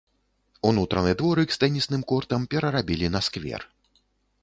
Унутраны дворык з тэнісным кортам перарабілі на сквер.